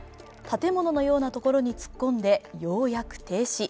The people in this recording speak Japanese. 建物のようなところに突っ込んでようやく停止。